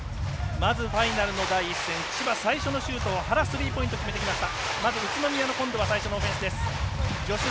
まずファイナルの第１戦千葉最初のシュートは原、スリーポイント決めてきました。